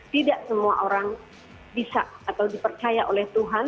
tidak semua orang bisa atau dipercaya oleh tuhan